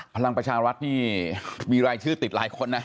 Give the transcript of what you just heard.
พลังประชารัฐนี่มีรายชื่อติดหลายคนนะ